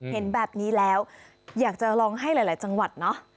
เห็นแบบนี้แล้วอยากจะลองให้หลายจังหวัดเนาะ